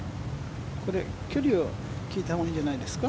距離を聞いたほうがいいんじゃないですか？